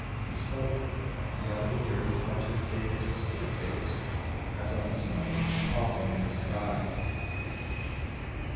He spoke: the other, hearing, kept his gaze Still fixed, as on some problem in the sky.